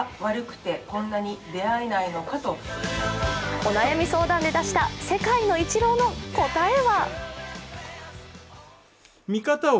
お悩み相談で出した世界のイチローの答えは？